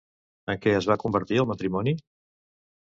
En què es va convertir el matrimoni?